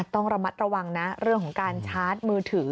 ต้องระมัดระวังนะเรื่องของการชาร์จมือถือ